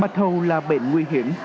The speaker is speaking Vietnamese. bạch hầu là bệnh nguy hiểm